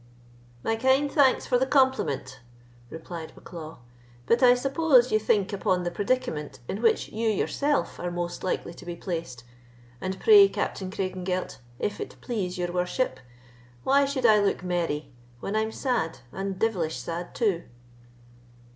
"My kind thanks for the compliment," replied Bucklaw; "but I suppose you think upon the predicament in which you yourself are most likely to be placed; and pray, Captain Craigengelt, if it please your worship, why should I look merry, when I'm sad, and devilish sad too?"